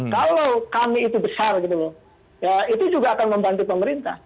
kalau kami itu besar itu juga akan membantu pemerintah